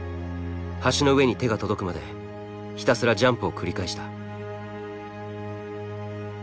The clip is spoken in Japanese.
橋の上に手が届くまでひたすらジャンプを繰り返した。